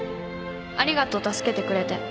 ありがとう助けてくれて